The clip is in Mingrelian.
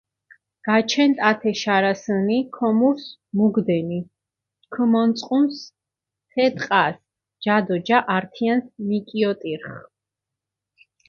გაჩენდჷ ათე შარასჷნი, ქომურს მუგჷდენი, ქჷმონწყუნსჷ თე ტყასჷ, ჯა დო ჯა ართიანსჷ მიკიოტირხჷ.